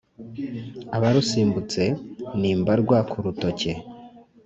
Abarusimbutse ni imbarwa ku rutoke